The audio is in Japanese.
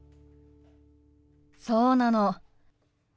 そうなの。